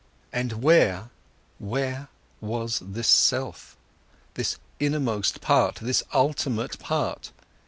But where, where was this self, this innermost part, this ultimate part?